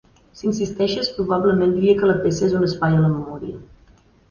Si insisteixes, probablement diria que la peça és un espai a la memòria.